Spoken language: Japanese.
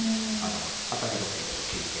アタリとかいろいろ利いて。